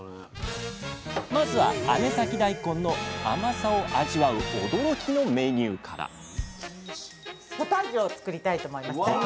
まずは姉崎だいこんの甘さを味わう驚きのメニューからポタージュを作りたいと思います。